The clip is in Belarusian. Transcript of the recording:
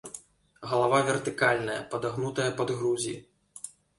Галава вертыкальная, падагнутая пад грудзі.